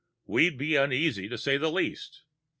We'd be uneasy, to say the least.